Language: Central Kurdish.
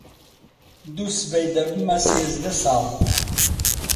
دووسبەی دەبمە سێزدە ساڵ.